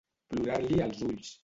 Plorar-li els ulls.